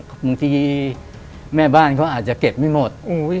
บางทีแม่บ้านเขาอาจจะเก็บไม่หมด